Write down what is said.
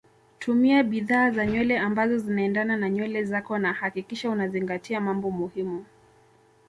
Tumia bidhaa za nywele ambazo zinaendana na nywele zako na hakikisha unazingatia mambo muhimu